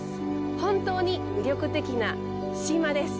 本当に魅力的な島です。